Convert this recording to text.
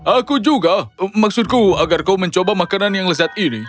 aku juga maksudku agar kau mencoba makanan yang lezat ini